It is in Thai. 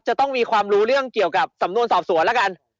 จะต้องมีความรู้เรื่องเกี่ยวกับสำนวนสอบสวนแล้วกัน